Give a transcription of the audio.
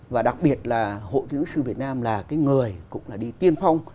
và đặc biệt là hội kiến trúc sư việt nam là cái người cũng là đi tiên phong